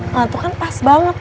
nah itu kan pas banget